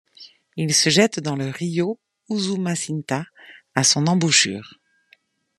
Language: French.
Il se jette dans le Río Usumacinta à son embouchure.